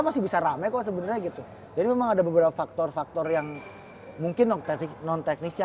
masih bisa rame kok sebenarnya gitu jadi memang ada beberapa faktor faktor yang mungkin non teknisnya